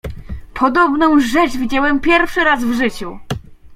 "Podobną rzecz widziałem pierwszy raz w życiu!"